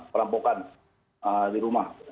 perampokan di rumah